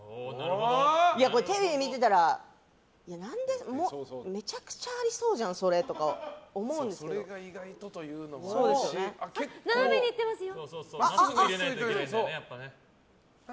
テレビ見てたらめちゃくちゃありそうじゃん、それとかそれが意外と斜めにいってますよ。